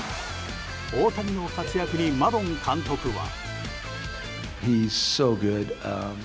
大谷の活躍にマドン監督は。